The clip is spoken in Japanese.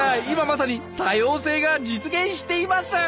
今まさに多様性が実現しています。